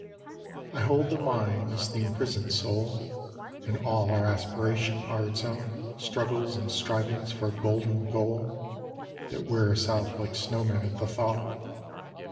I hold the mind is the imprisoned soul, And all our aspirations are its own Struggles and strivings for a golden goal. That wear us out like snow men at the thaw.